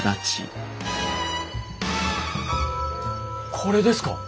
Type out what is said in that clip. これですか！？